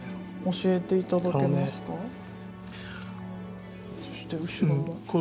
教えていただけますか？